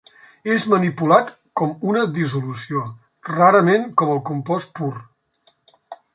És manipulat com una dissolució, rarament com el compost pur.